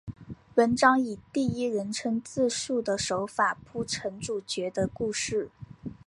文章以第一人称自叙的手法铺陈主角的故事。